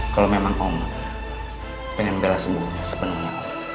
kalau memang om pengen bella sembuh sepenuhnya